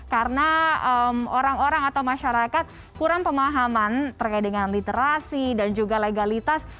karena orang orang atau masyarakat kurang pemahaman terkait dengan literasi dan juga legalitas